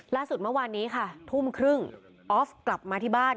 ล่าสุดเมื่อวานนี้ค่ะทุ่มครึ่งออฟกลับมาที่บ้าน